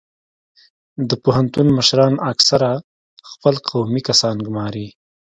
د پوهنتون مشران اکثرا خپل قومي کسان ګماري